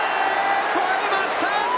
越えました！！